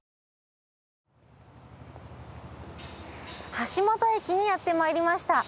橋本駅にやってまいりました